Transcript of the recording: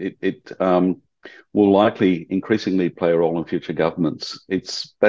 dan akan lebih banyak memiliki perhatian di pemerintah masa depan